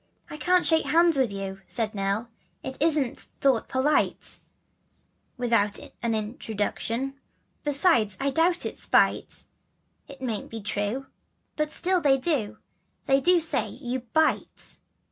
" I can't shake hands with you," said Nell, "It isn't thought polite, Without an introduction; Besides, no doubt it's spite, It mayn't be true, but still they do, They do say that you BITE."